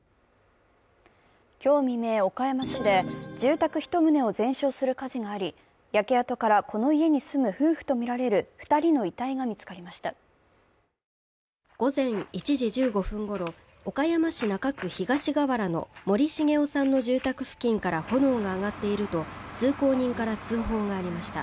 今日未明、岡山市で住宅１棟を全焼する火事があり、焼け跡からこの家に住む夫婦とみられる２人の遺体が見つかりました午前１時１５分ごろ、岡山市中区東川原の森繁夫さんの住宅付近から炎が上がっていると通行人から通報がありました。